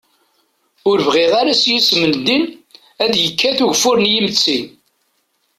Ur bɣiɣ ara s yisem n ddin ad d-ikkat ugeffur n yimeṭṭi.